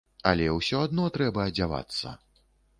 Але ўсё адно трэба адзявацца.